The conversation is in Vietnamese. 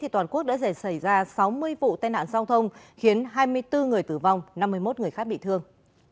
toàn quốc đã xảy ra sáu mươi vụ tai nạn giao thông khiến hai mươi bốn người tử vong năm mươi một người khác bị thương